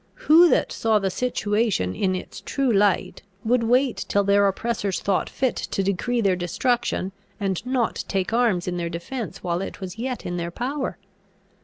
Who that saw the situation in its true light would wait till their oppressors thought fit to decree their destruction, and not take arms in their defence while it was yet in their power?